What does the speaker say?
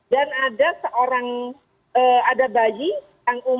dan ada seorang bayi yang umur